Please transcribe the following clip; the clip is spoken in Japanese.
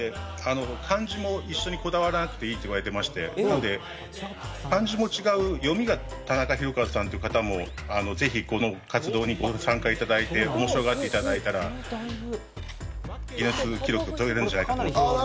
漢字も一緒にこだわらなくていいと言われまして、読みが「たなかひろかず」さんという方も、ぜひこの活動にご参加いただいて、面白がっていただいたらギネス記録を取れるんじゃないかと。